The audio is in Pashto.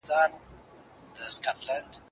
ژورنالیزم پوهنځۍ بې ارزوني نه تایید کیږي.